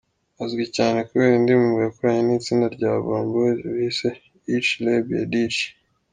Azwi cyane kubera indirimbo yakoranye n’itsinda rya Urban Boys bise ’Ich liebe dich’.